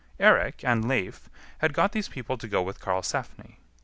Eirik and Leif had got these people to go with Karlsefni.